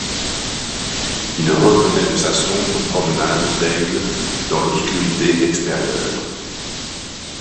Il revenait de sa sombre promenade d'aigle dans l'obscurité extérieure.